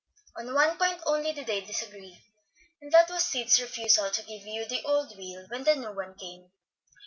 On one point only did they disagree, and that was Sid's refusal to give Hugh the old wheel when the new one came.